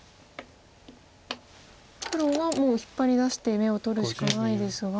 黒はもう引っ張り出して眼を取るしかないですが。